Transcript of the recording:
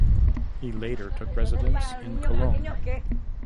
He later took residence in Cologne.